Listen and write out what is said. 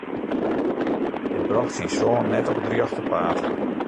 It brocht syn soan net op it rjochte paad.